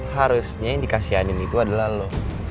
harusnya yang dikasihanin itu adalah lo